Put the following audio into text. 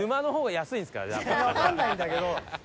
いやわかんないんだけど。